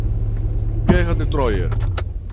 Guerra de Troia